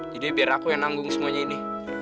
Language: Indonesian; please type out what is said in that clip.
jadi biar aku yang nanggung semuanya ini